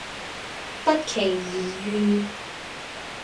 不期而遇